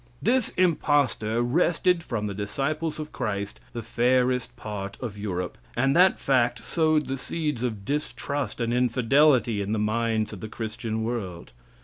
This impostor wrested from the disciples of Christ the fairest part of Europe, and that fact sowed the seeds of distrust and infidelity in the minds of the Christian world.